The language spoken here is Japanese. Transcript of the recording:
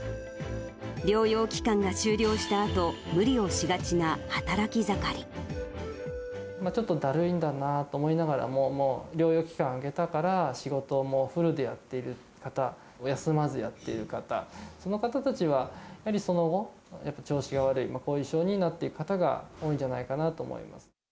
療養期間が終了したあと、ちょっとだるいんだなと思いながらも、もう療養期間明けたから、仕事をもうフルでやっている方、休まずやっている方、その方たちは、やはりその後、やっぱり調子が悪い、後遺症になっていく方が多いんじゃないかなと思います。